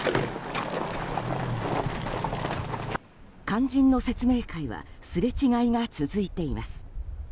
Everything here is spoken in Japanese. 肝心の説明会はすれ違いが続いています。